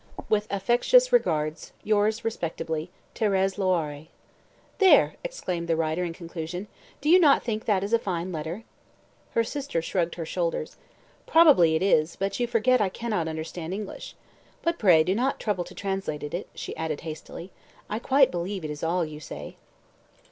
"With affectuous regards, "Yours respectably, "THÉRÈSE LOIRÉ." "There!" exclaimed the writer in conclusion. "Do you not think that is a fine letter?" Her sister shrugged her shoulders. "Probably it is, but you forget I cannot understand English. But pray do not trouble to translate it," she added hastily; "I quite believe it is all that you say."